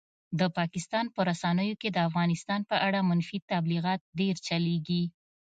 پاکستان په رسنیو کې د افغانستان په اړه منفي تبلیغات ډېر چلېږي.